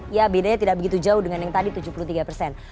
ya bedanya tidak begitu jauh dengan yang tadi tujuh puluh tiga persen